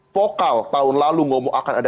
vokal tahun lalu ngomong akan ada